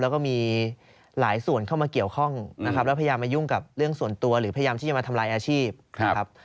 ก็มันก็มีหนักใจบ้างนะครับ